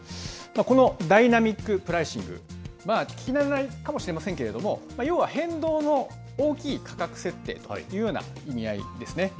このダイナミックプライシング、聞き慣れないかもしれないですけれども、要は変動の大きい価格設定というような意味合いですね。